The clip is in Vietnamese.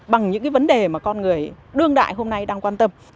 bằng những cái vấn đề mà con người đương đại hôm nay đang quan tâm